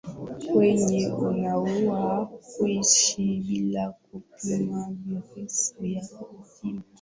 wengi huamua kuishi bila kupima virusi vya ukimwi